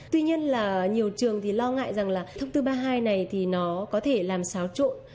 tuy nhiên là nhiều trường thì lo ngại rằng là thông tư ba mươi hai này thì nó có thể làm xáo trộn